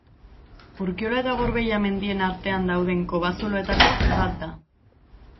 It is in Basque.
Urkiola eta Gorbeia mendien artean dauden kobazuloetako bat da.